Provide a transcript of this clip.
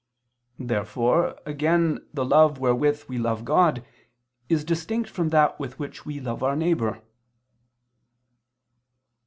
_ Therefore again the love wherewith we love God, is distinct from that with which we love our neighbor.